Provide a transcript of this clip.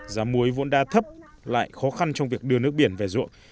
giá muối vốn đa thấp lại khó khăn trong việc đưa nước biển về ruộng